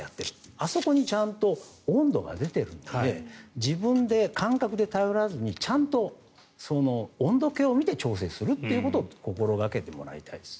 あそこにちゃんと温度が出ているので自分の感覚で頼らずにちゃんと温度計を見て調整するということを心掛けてもらいたいですね。